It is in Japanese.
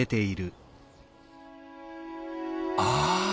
ああ！